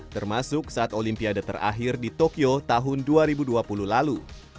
termasuk saat olimpiade terakhir di tokyo tahun dua ribu dua puluh lalu